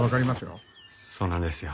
そうなんですよ。